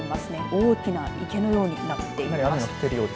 大きな池のようになっています。